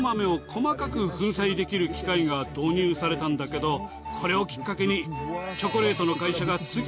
できる機械が投入されたんだけどこれをきっかけに。